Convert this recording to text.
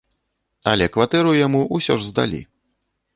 Але кватэру яму ўсё ж здалі.